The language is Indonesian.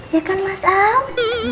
ya kan mas al